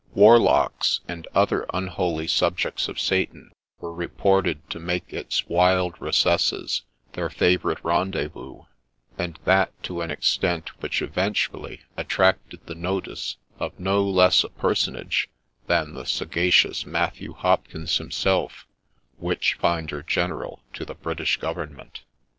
Warlocks, and other un holy subjects of Satan, were reported to make its wild recesses their favourite rendezvous, and that to an extent which eventu ally attracted the notice of no less a personage than the sagacious Matthew Hopkins himself, Witchfinder General to the British Government.